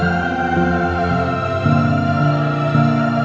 aku mau denger